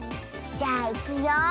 じゃあいくよ。